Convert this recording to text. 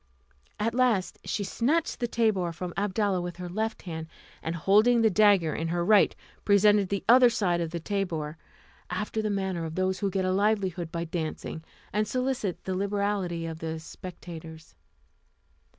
At last, she snatched the tabour from Abdalla with her left hand, and holding the dagger in her right presented the other side of the tabour, after the manner of those who get a livelihood by dancing, and solicit the liberality of the spectators.